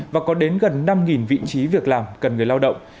và có đến gần năm vị trí việc làm cần người lao động